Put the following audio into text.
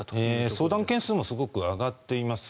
相談件数もすごく上がっています。